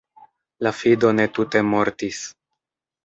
La fido ne tute mortis.